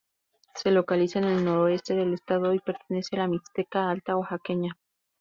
Se localiza en el noroeste del estado, y pertenece a la Mixteca Alta oaxaqueña.